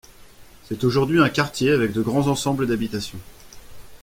C'est aujourd'hui un quartier avec de grands ensembles d'habitation.